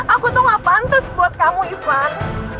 aku tuh gak pantes buat kamu ivan